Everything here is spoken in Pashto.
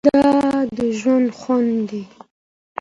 دا د ژوند خوند دی.